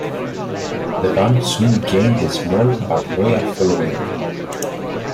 The band soon gained a small but loyal following.